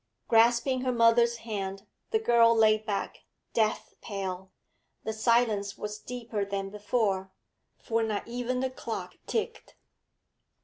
Grasping her mother's hand, the girl lay back, death pale. The silence was deeper than before, for not even the clock ticked....